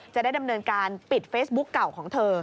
จะได้ดำเนินการปิดเฟซบุ๊คเก่าของเธอ